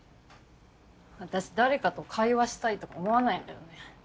私誰かと会話したいとか思わないんだよね。